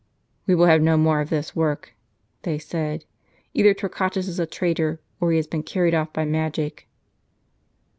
"We will have no more of this work," they said; " either Torquatus is a traitor, or he has been carried off by magic."